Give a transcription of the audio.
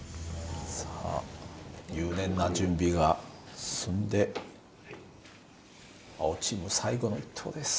さあ入念な準備が済んで青チーム最後の１投です。